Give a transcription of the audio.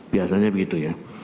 biasanya begitu ya